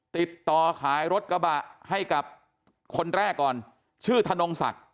ติดต่อขายรถกระบะให้กับคนแรกก่อนชื่อธนงศักดิ์